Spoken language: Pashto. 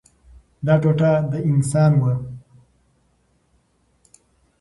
دا ټوټه د انسان وه.